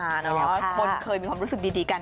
คนเคยมีความรู้สึกดีกัน